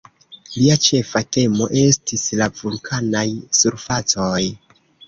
Lia ĉefa temo estis la vulkanaj surfacoj.